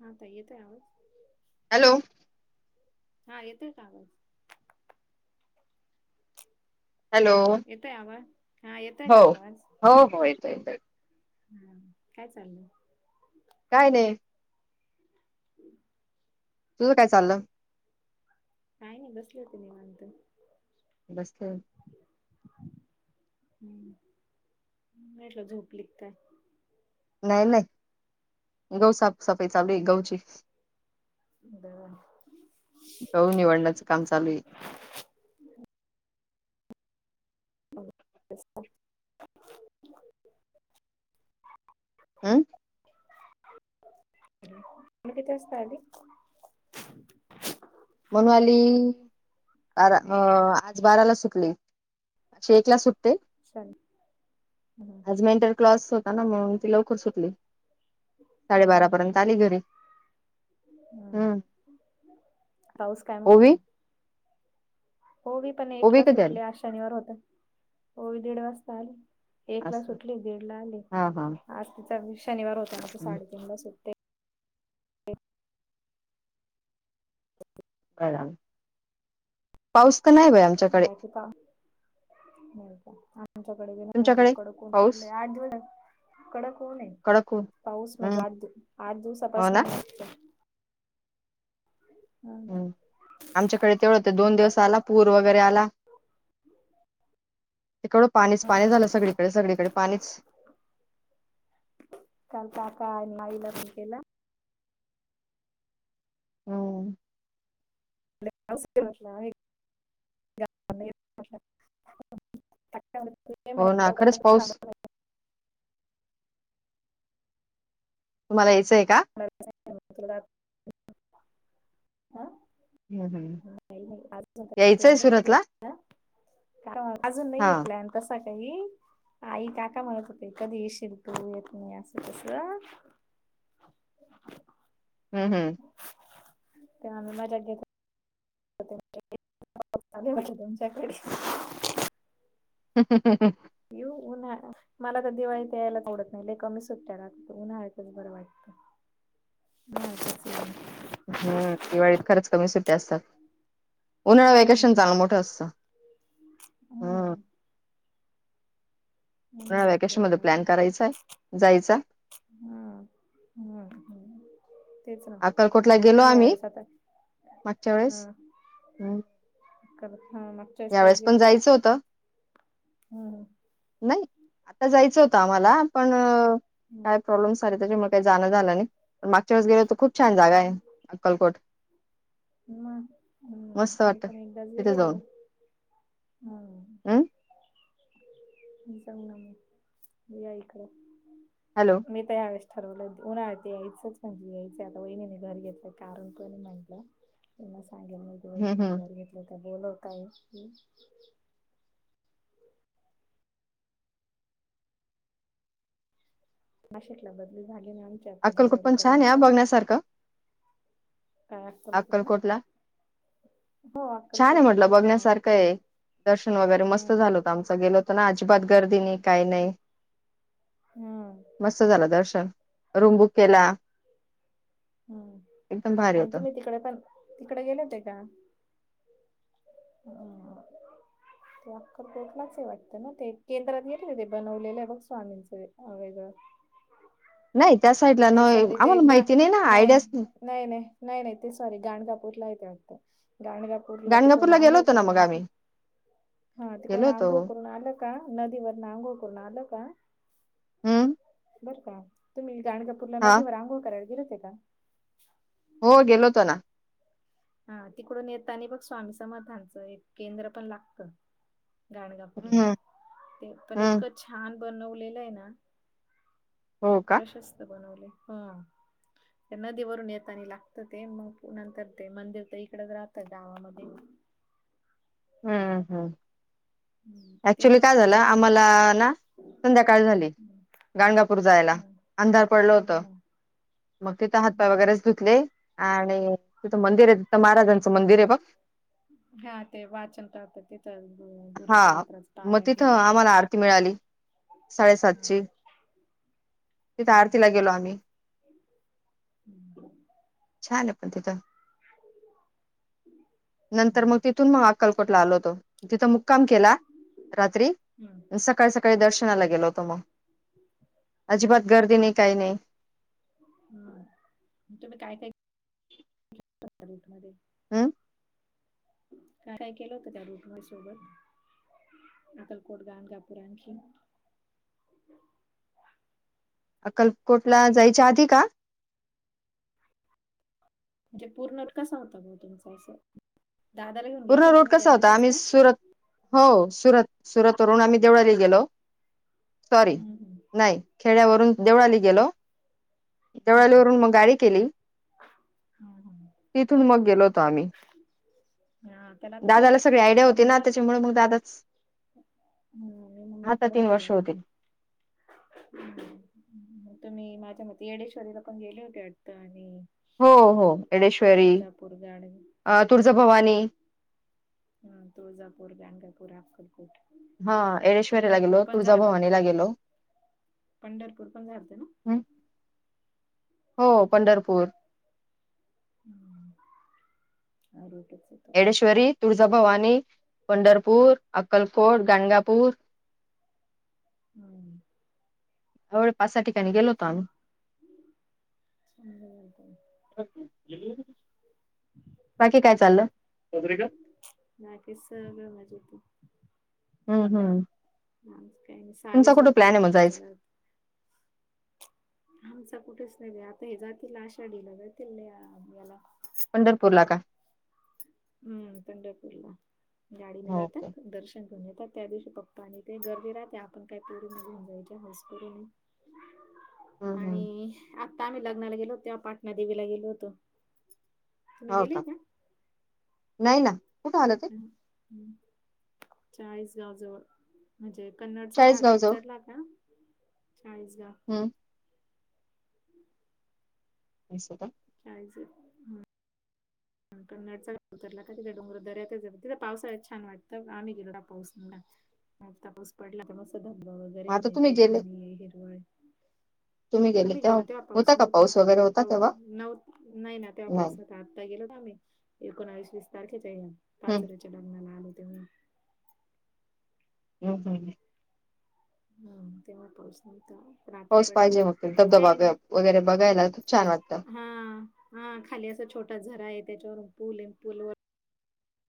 हां ताई येतोय आवाज. हॅलो. हां. येतोय आवाज. हॅलो येतो आवाज, हा येतोय हो का आवाज. हो हो येतो येतो हा, काय चाललंय? काय नाही. तुझं काय चाललं. काय नाही, बसले होते निवांत. [unintelligible] हम्म, मी म्हटलं झोपली का काय? नाही नाही, गहू साफ सफाई चालू ये गहूची. हं. गहू निवडण्याचे काम चालू ये. [inaudible] [inaudible] हं. तुम्ही किती वाजता आले. मनू वाली आज बाराला सुटली. चे एकला सुटते. सन हम्म आजमेंटर क्लॉस होता ना, म्हणून ती लवकर सुटली. हम्म साडेबारा हम्म पर्यंत आले घरी, हम्म. पाऊस काय ओवी म्हणतोय. ओवीपण ओवी एकला कधी आली सुटली आज शनिवार होता, ओवी दीड वाजता आली. एकला असं सुटली दीडला आले, हा हा आज तिचा शनिवार होता ना नाहीतर असं साडेतीन ला सुट्टते. पाऊस तर नाही बाय आमच्याकडे. [unintelligible] कडक तुमच्याकडे पाऊस ऊन ये, कडक ऊन पाऊस हम्म म्हणजे आठ आठ हो दिवसापासन. ना हम्. आमच्याकडे तेवढं, दोन दिवस आला पूर वगैरे आला. तिकडं पाणीच पाणी झालं सगळीकडे सगळीकडे पाणीच काल काका आणि आईला फोन केला. हम्म. [unintelligible] हो ना खरंच पाऊस [unintelligible] तुम्हाला यायचंय का? [unintelligible] का हम्म नाही नाही आज [unintelligible] यायचंय प्लॅन नाहीये. सुरतला आं का अजून नाही हा आहे पलॅन कसा काही आई काका म्हणत होते कधी येशील तू येत नाही असं तसं. हम्म हम्म. चांगला [unintelligible] [unintelligible] [unintelligible] येऊ उन्हाळा मला तर दिवाळी त्या यायला आवडत नाही लय कमी सुट्टया राहतं उन्हाळचंच बरं वाटतं. [unintelligible] हम्म दिवाळीत खरंच कमी सुट्टी असतात उन्हाळा वेकेशन हम्म चांगल मोठं असतं. हां. हम्म या नाही वॅकेशन बरं मध्ये प्लॅन करायचाय जायचा. हा बर हम्म. तेच ना अक्कलकोटला गेलो हे आम्ही यावेळेस आता मागच्या हा. वेळेस हम्म. करत हा ना. यावेेळेस पण जायचं होतं हम्म हम्म. नाही आता जायचं होतं आम्हाला पण हम्म काय प्रॉब्लेम्स सारे त्याच्या म काही जाणं झालं नाही मागच्या वळेस गेलो तर खूप छान जागा आहे हम्म. अक्कलकोट. म हम्म मस्त मी वाटतं पण एकदाच तिथे गेले जाऊन बाय. हम्म. जाऊना मग या इकडं हॅलो. मी तर ह्या वेळेस ठरवलं ते उन्हाळ्यात यायचच म्हणजे याय से आता वहिणीने घर घेतलं कारण कोणी म्हटलं म सांगेल हम्म वहिनी हम्म घरी घेत [unintelligible] हं. नाशिकला बदली झाली ना आमची आता जानेवारीपर्यंत. यासारखं काय असताल कुठनं अक्कलकोटला छान आहे म्हटलं आहे बघण्यासारखंये. दर्शन वगैरे मस्त हम्म झालं होतं आमचं गेलोत ना अजिबात गर्दी नाही काही नाही. हम्म. मस्त झाला दर्शन रूम बुक केला एकदम भारी हम्म आणि होतं तुम्ही तिकडे पण तिकडे गेले होते का? हां ते अक्कलकोट लाच हे वाटतं ना ते केंद्रात येत होते बनवलेलं आहे बघ स्वामींचं वे आ वेगळं. नाही त्या साइडला नाही सॉरी ते गा नाही नाही नाही नाही नाही ते सॉरी गाणगापूरला येते वाटतं, गाणगा कुठला तिकडून गाणगापूरला गेलो अंगोळ होतो ना करून मग आले आम्ही हा गेलो तिकडून होतो आंघोड करून आलो. का नदीवर आंघोळ करून आलं का हम्म बर का तुम्ही गाणगापूरला हा नदीवर अंघोळ करायला गेले होते का? हो गेलो होतो ना. हा तिकडून येताना बघ स्वामी समर्थांचा एक केंद्र पण लागतंय. गाणगापूरला हम्म ते पण हम्म इतकं छान बनवलेलं आहे ना हो खूप का? प्रशस्त बनवले. हम्म. नदीवरून येतानी लागत ते, मग नंतर ते मंदिर तर इकडेच राहतं गावामध्ये. हम्म हम्म. हम्म, ते ऍक्च्युली पण काय खूप झालं, छान आहे. आम्हाला ना संध्याकाळ झाली. हम्म, गाणगापूर जायला हम्म, अंधार पडलं होतं. हम्म, मग तिथे हातपाय हम्म, हम्म. वगैरे धुतले आणि तिथे हम्म. मंदिरे तिथे महाराजांचं मंदिर बघ. हा ते वाचन करतात तिथं गुरुचरित्राच पाराण घेतात तिथे. ती मिळाली साडेसातची, तिथे हम्म, आरतीला गेलो आम्ही. हम्म, छान आहे पण तिथं. नंतर मग हम्म, तिथून मग अक्कलकोटला आलो होतो, तिथं मुक्काम केला. रात्री हम्म. सकाळी सकाळी दर्शनाला गेलो होतो मग. अजिबात ओके गर्दी नाही, काही नाही. हम्म. तुम्ही काय काय त्या रुटमध्ये. अं? काय काय केलं होत त्या [unintelligible] सोबत अक्कलकोट, गाणगापूर आणखीन अक्कलकोटला जायच्या आधी का? म्हणजे पूर्ण रूट कसा होता बाबा तुमचा असं, दादाला घेऊन पूर्ण गेलते ना रूट तुम्ही कसा होता त्यावेळसच आम्ही का? सुरत हो सुरत सुरत वरून आम्ही देवळाही गेलो सॉरी नाही. खेड्यावरून देवळाली गेलो. देवळालीवरून मग गाडी केली, तिथून मग गेलोतो आम्ही. हा त्याला आता तीन वर्ष झाले मम्मी. म्हणून मग दादाच मी आता मम्मीकडे तीन होते वर्ष त्यावेळेस. होतील हम्म हम्म. तुम्ही माझ्या मते येडेश्वरीला पण गेले होते वाटतं आणि हो हो अक्कलकोट, एडेश्वरी तुळजापूर, गाणगा अ तुळजाभवानी हम्म तुळजापूर, गाणगापूर, अक्कलकोट. हा येडेश्वरला पंढरपूर गेलो, पण झालं तुळजाभवानीला गेलो. पंढरपूर पण झालतं ना? हम्म हो पंढरपूर. [inaudible] येडेश्वरी, तुळजाभवानी, पंढरपूर, अक्कलकोट, गाणगापूर हम्म. होय पाच सहा ठिकाणी गेलो होतो छान आम्ही. बाकी काय चाललं? बाकी सगळं मजेत आहे. हम्म हम्म. आज काय मग सावी झोपली आहे मग म्हटलं जायचं? चला आमचा कुठेच नाही बाई आता हे जातील आषाढीला. जातील या याला पंढरपूर ला का? हम्म पंढरपूरला गाडीने हो का? जातात दर्श [unintelligible] पप्पा आणि ते गर्दी राहते आपणं काही काय पोरं घेऊन जायचे हौस करू नये. [unintelligible] हं, हं. आणि आता आम्ही लग्नाला गेलो होतो तेव्हा पाटणादेवीला गेलो होतो. तुम्ही गेलेय का? नाही ना. कुठं [unintelligible] आलं ते? हम्म चाळीस गावजवळ. म्हणजे कन्नडचा घाट चाळीसगावजवळ. उतरला का चाळीस गा. हम्म. [unintelligible] असं का? कायज. पण [unintelligible] उतरला का तिथे डोंगर दऱ्यात आहे. तिथे पावसाळ्यात छान वाटतं. आम्ही गेलो ना पाऊस [unintelligible] नसता पाऊस पडला, तर मग असं धबधबा वगैरे मग आता आणि तुम्ही ते गेले पाणी हिरवळ तुम्ही गेले आम्ही गेलो तेव्हा पाऊस होता का नव्हता. वगैरे होता पाऊ तेव्हा? नव्ह नाही ना तेव्हा नाही. पाऊसात. आत्ता गेलो ना आम्ही एकोणाईस वीस तारखेच्या हं, पाचोर्‍याच्या लग्नाला आलो तेव्हा. हम्म हम्म. हम्म तेव्हा पोचलवतो. पण आता पाऊस पडला. पाहिजे मग ते धबधबा काय ओ? ग वगैरे बघायला खूप छान वाटतं. हा. हा खाली असा छोटा झरा आहे, त्याच्यावरुन पूल आहे आणि पूलवर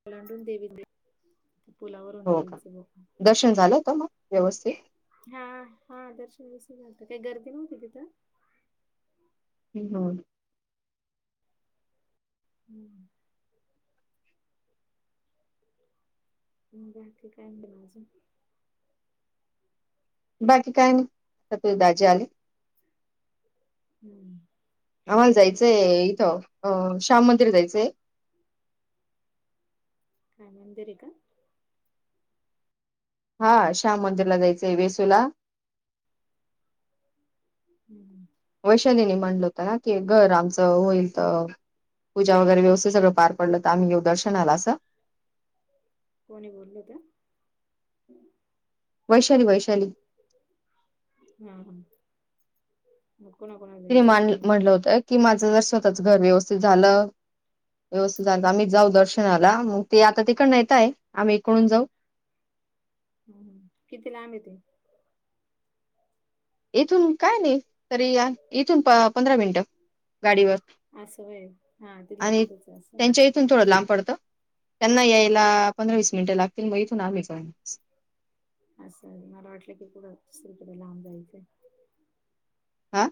[unintelligible] देविंद्र पुलावरून हो का? जायचं बघा. दर्शन झालं होतं मग हम्म. व्यवस्थित? हा हा दर्शन विसरून आलतं, काही गर्दी नव्हती तिथं. विनोद. हम्म. बाकी काय मग अजून? बाकी काय नाही, तुझे दाजी आले. हम्म. होय शाळेत ना का जायचंय इथं, अ श्याम मंदिर जायचंय. खान्यांदरी का? हा श्याम मंदिरला जायचंय वेसूला. हम्म हम्म. वैशालीने म्हणलं होत ना की घर, आमचं होईल तवं. पूजा वगैरे व्यवस्थीत सगळं पार पडलं, तर आम्हीे येऊ दर्शनाला असं. कोणी बोललं होतं? वैशाली वैशाली. हा हा मग कोणा कोणाला जायचं सगळ्यांनी? कि माझं जर स्वतःचं घर व्यवस्थित झालं, व्यवस्थित हा झालं हा आम्ही जाऊ हा दर्शन झालं मग ते आता तिकडन येत आहे, आम्ही इकडून जाऊ. हम्म हम्म. किती लांब आहे ते? इथून काय नाही, तरी या इथून पंधरा मिनिटं गाडीवर. असं होय हा, तिथल्या तिथंच आहे असं. तुमच्याकडून लांब पडत. त्यांना यायला पंधरा हा वीस मिनिटं लागतील, मग इथून आम्ही जाणार असं. असं. मला वाटलं की कुठं दुसरीकडे लांब जायचं आहे. आ?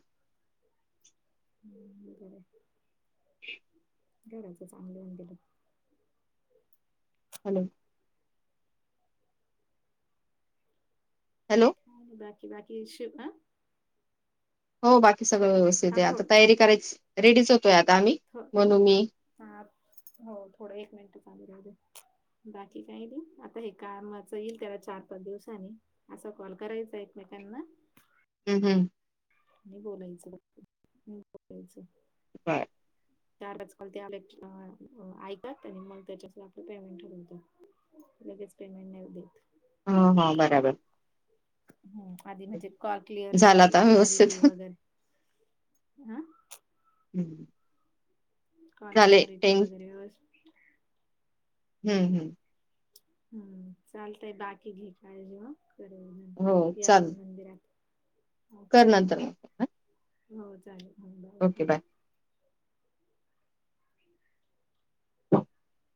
हम्म बर आहे. घराच चांगलं होऊन गेलं. हॅलो. हॅलो. काय नाही बाकी बाकी [unintelligible] आ? हो बाकी सगळं शिवम व्यवस्थित आहे. थांब आता थोड तयारी करायची रेडीच होतोय आता आम्ही. हो. म्हणून मी हा हो थोडं एक मिनट चालू राहू दे. बाकी काय नाही आता हे कामचं येईल त्याला चार पाच दिवसांनी असा कॉल करायचा एकमेकांना. हम् हम्. आणि बोलायचं बोलायचं. [unintelligible] चार पाच काॅल ते आले की ऐकतात. आणि मग त्याच्यास आपलं पेमेंट ठरवतात. लगेच पेमेंट नाही होवू देत. हा हा बराबर. हं.. आधी म्हणजे, कॉल क्लिअर झाला आता क्लरिटी व्यवस्थित? वगैरे अ.. हं. कॉल झाले क्लअरिटी वगैरे वेवस्थि हम्म हम्. हम्म चालतंय बाकी घे, काळजी मग. हो, [unintelligible] चालेल. मंदिरात कर ओके बाय. नंतर मग. हो चालेल हं, बाय ओके, ठेवते. बाय. [inaudible]